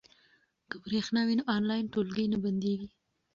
که برېښنا وي نو آنلاین ټولګی نه بندیږي.